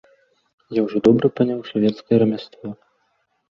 Я ўжо добра паняў шавецкае рамяство.